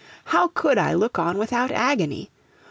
How could I look on without agony?